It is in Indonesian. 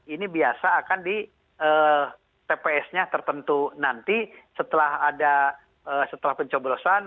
ini biasa akan di tps nya tertentu nanti setelah ada setelah pencoblosan